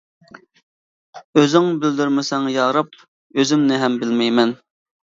ئۈزۈڭ بىلدۈرمىسەڭ يا رەب ئۈزۈمنى ھەم بىلەلمەيمەن.